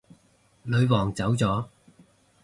女皇走咗